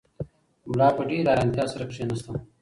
ملا په ډېرې حیرانتیا سره کښېناست.